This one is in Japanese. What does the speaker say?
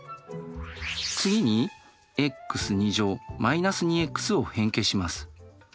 次にｘ−２ｘを変形します。